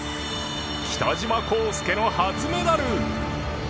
北島康介の初メダル